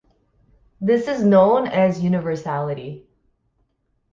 This is known as universality.